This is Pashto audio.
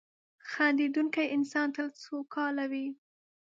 • خندېدونکی انسان تل سوکاله وي.